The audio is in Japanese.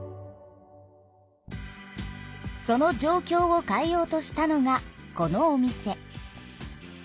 その状きょうを変えようとしたのがこのお店。